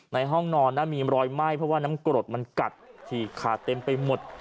ในห้องนอนนะมีรอยไหม้เพราะว่าน้ำกรดมันกัดฉีกขาดเต็มไปหมด